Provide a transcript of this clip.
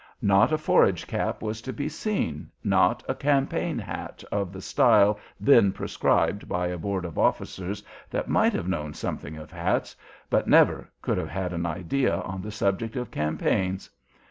Not a forage cap was to be seen, not a "campaign hat" of the style then prescribed by a board of officers that might have known something of hats, but never could have had an idea on the subject of campaigns.